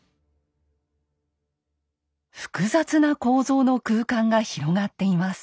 複雑な構造の空間が広がっています。